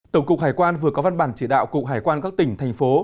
tổng cục hải quan vừa có văn bản chỉ đạo cục hải quan các tỉnh thành phố